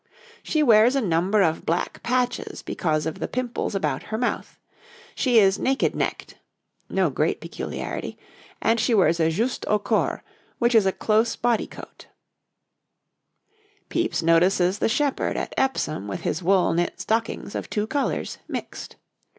She wears a number of black patches because of the pimples about her mouth, she is naked necked (no great peculiarity), and she wears a just au corps, which is a close body coat. [Illustration: {A woman of the time of Charles II.}] Pepys notices the shepherd at Epsom with his wool knit stockings of two colours, mixed.